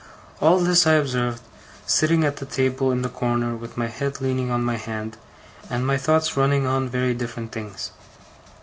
All this I observed, sitting at the table in the corner with my head leaning on my hand, and my thoughts running on very different things.